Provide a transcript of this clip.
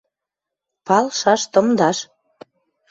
Палшаш, тымдаш?..